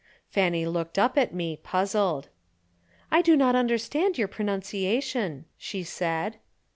Fanny looked up at me, puzzled. "I do not understand your pronunciation," she said.